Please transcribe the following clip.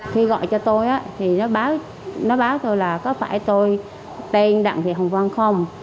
khi gọi cho tôi thì nó báo tôi là có phải tôi tên đằng thị hồng vân không